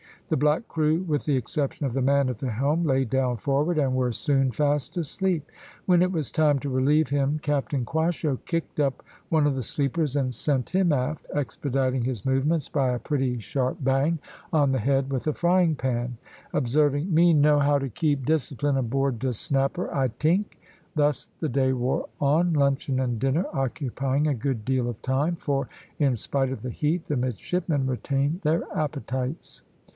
The black crew, with the exception of the man at the helm, lay down forward, and were soon fast asleep. When it was time to relieve him, Captain Quasho kicked up one of the sleepers and sent him aft, expediting his movements by a pretty sharp bang on the head with a frying pan, observing, "Me know how to keep discipline aboard de Snapper, I tink." Thus the day wore on luncheon and dinner occupying a good deal of time, for, in spite of the heat, the midshipmen retained their appetites.